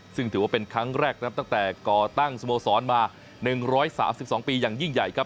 ซึ่งถือว่าเป็นครั้งแรกนะครับตั้งแต่ก่อตั้งสโมสรมา๑๓๒ปีอย่างยิ่งใหญ่ครับ